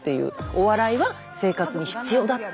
お笑いは生活に必要だっていう。